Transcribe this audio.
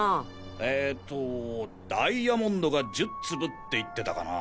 ええとダイヤモンドが１０粒って言ってたかな。